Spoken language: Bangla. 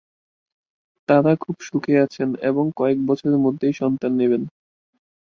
তারা খুব সুখে আছেন এবং কয়েক বছরের মধ্যেই সন্তান নেবেন।